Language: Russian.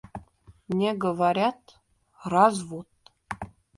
Мне говорят — развод.